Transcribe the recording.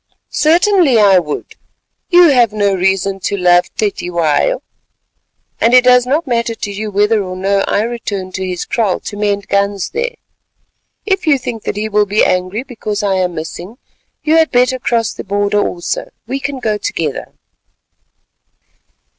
"Certainly, I would. You have no reason to love Cetywayo, and it does not matter to you whether or no I return to his kraal to mend guns there. If you think that he will be angry because I am missing, you had better cross the border also; we can go together."